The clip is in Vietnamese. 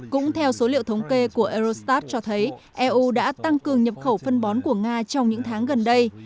cũng theo số liệu thống kê của eurostat cho thấy eu đã tăng cường nhập khẩu phân bón của nga trong những tháng gần đây